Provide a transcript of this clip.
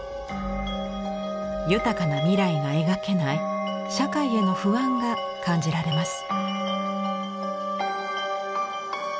豊かな未来が描けない社会への不安が感じられます。